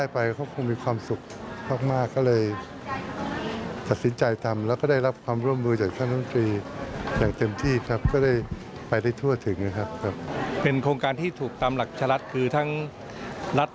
พิการจะมามอบให้ส่วนของรัฐ